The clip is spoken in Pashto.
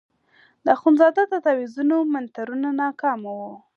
د اخندزاده د تاویزونو منترونه ناکامه وو.